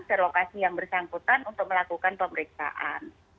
terlokasi yang bersangkutan untuk melakukan pemeriksaan